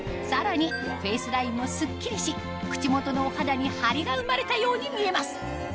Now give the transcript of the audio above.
さらにフェイスラインもスッキリし口元のお肌にハリが生まれたように見えます